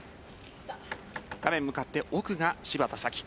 画面向かって奥が芝田沙季。